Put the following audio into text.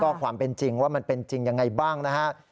ก็ความเป็นจริงว่ามันเป็นจริงยังไงบ้างนะฮะ